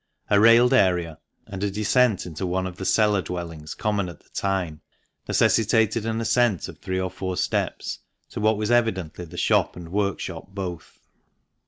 A railed area, and a descent into one of the cellar dwellings common at the time, necessitated an ascent of three or four steps to what was evidently the shop and workshop both.